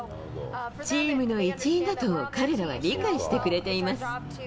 チームの一員だと、彼らは理解してくれています。